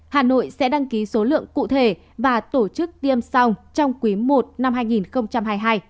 hà nội sẽ đăng ký số lượng cụ thể và tổ chức tiêm sau trong quý i năm hai nghìn hai mươi hai